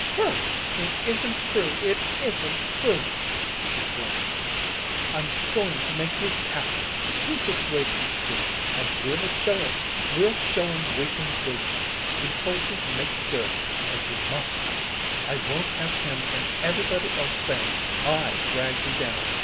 "Burke, it isn't true, it isn't true," she flamed. "I'm going to make you happy! You just wait and see. And we'll show him. We'll show him we can do it! He told you to make good; and you must, Burke! I won't have him and everybody else saying I dragged you down.